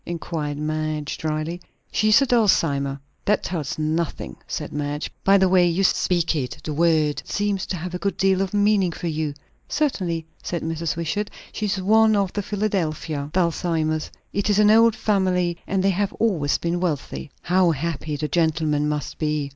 inquired Madge dryly. "She is a Dulcimer." "That tells me nothing," said Madge. "By the way you speak it, the word seems to have a good deal of meaning for you." "Certainly," said Mrs. Wishart. "She is one of the Philadelphia Dulcimers. It is an old family, and they have always been wealthy." "How happy the gentleman must be!"